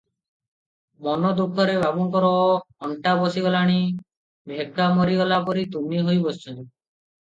ମନୋଦୁଃଖରେ ବାବୁଙ୍କର ଅଣ୍ଟା ବସିଗଲାଣି, ଭେକା ମାରିଗଲା ପରି ତୁନି ହୋଇ ବସିଛନ୍ତି ।